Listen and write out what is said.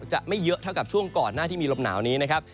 จะไม่เยอะเท่ากับช่วงก่อนหน้าที่มีลมหนาวนี้นะครับ